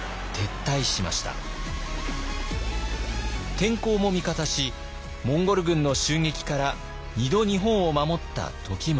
天候も味方しモンゴル軍の襲撃から２度日本を守った時宗。